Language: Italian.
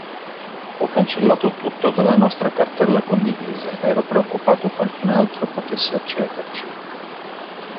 Ho cancellato tutto dalla nostra cartella condivisa, ero preoccupato qualcun altro potesse accederci.